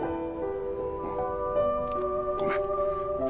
うん。ごめん。